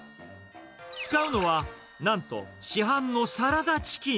使うのは、なんと市販のサラダチキン。